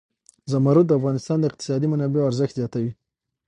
زمرد د افغانستان د اقتصادي منابعو ارزښت زیاتوي.